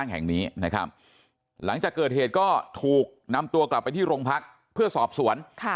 หลังจากเกิดเหตุก็ถูกนำตัวกลับไปที่โรงพักเพื่อสอบสวน